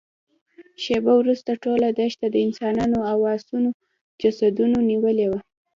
شېبه وروسته ټوله دښته د انسانانو او آسونو جسدونو نيولې وه.